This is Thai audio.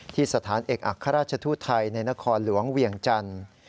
สถานเอกอัครราชทูตไทยในนครหลวงเวียงจันทร์